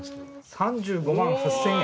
３５万８，０００円。